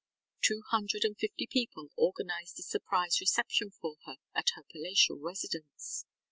Two hundred and fifty people organized a surprise reception for her at her palatial residence.